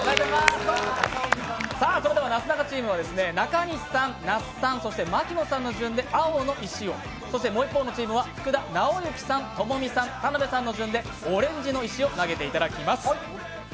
それでは、なすなかチームは中西さん、那須さん、牧野さんの順でもう一方のチームは福田直幸さん、友美さん、田辺さんの順でオレンジの石を投げていただきます。